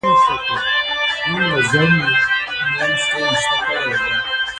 د نجونو تعلیم د علمي څیړنو ملاتړ کوي.